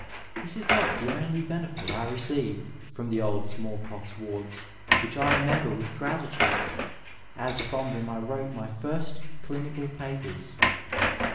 This is not the only benefit I received from the old smallpox wards, which I remember with grati tude, as from them I wrote my first clinical papers.